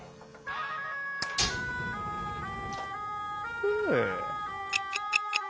ふう。